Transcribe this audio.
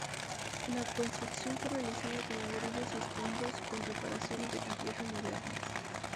La construcción fue realizada con ladrillos y escombros con reparaciones de concreto modernas.